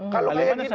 kalau kayak gitu